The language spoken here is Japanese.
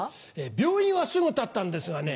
病院はすぐ建ったんですがね